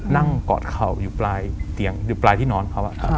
กอดเข่าอยู่ปลายเตียงอยู่ปลายที่นอนเขา